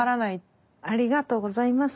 ありがとうございます。